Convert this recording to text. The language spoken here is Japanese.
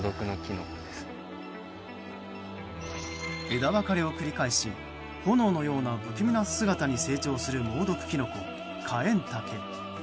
枝分かれを繰り返し炎のような不気味な姿に成長する猛毒キノコ、カエンタケ。